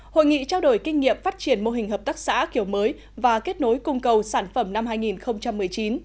hội nghị trao đổi kinh nghiệm phát triển mô hình hợp tác xã kiểu mới và kết nối cung cầu sản phẩm năm hai nghìn một mươi chín